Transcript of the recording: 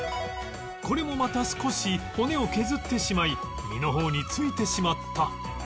これもまた少し骨を削ってしまい身の方に付いてしまった